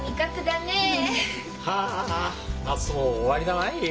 はあ夏も終わりだない。